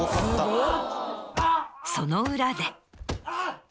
その裏で。